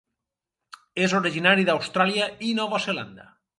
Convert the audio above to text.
És originari d'Austràlia i Nova Zelanda.